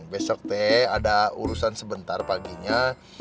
besok teh ada urusan sebentar paginya